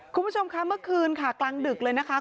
คุณผู้ชมคะเมื่อคืนค่ะกลางดึกเลยนะคะ